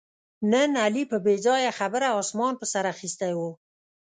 نن علي په بې ځایه خبره اسمان په سر اخیستی و